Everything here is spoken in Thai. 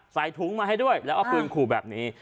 ใส่ถุงมาให้ด้วยแล้วเอาปืนขู่แบบนี้